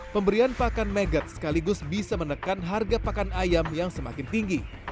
pemberian pakan megat sekaligus bisa menekan harga pakan ayam yang semakin tinggi